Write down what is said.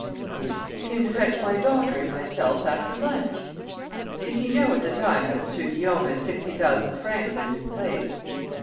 "Yes, he came to fetch my daughter and myself, after lunch." "Did he know at the time that M. Guillaume had sixty thousand francs at his place?"